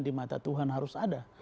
di mata tuhan harus ada